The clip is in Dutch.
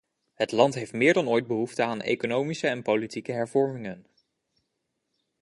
Het land heeft meer dan ooit behoefte aan economische en politieke hervormingen.